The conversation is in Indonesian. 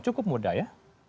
cukup muda ya